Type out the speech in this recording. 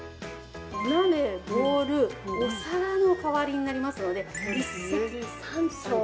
お鍋ボウルお皿の代わりになりますので一石三鳥。